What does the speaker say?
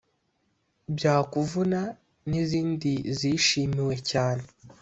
“Byakuvuna” n’izindi zishimiwe cyane